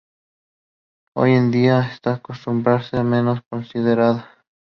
Hoy en día esta costumbre es menos considerada.